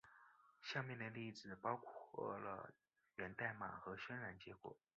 下面的例子包括了源代码和渲染结果。